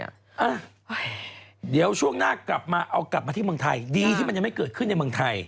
อ่ะเดี๋ยวช่วงหน้ากลับมาเอากลับมาที่เมืองไทยดีที่มันยังไม่เกิดขึ้นในเมืองไทย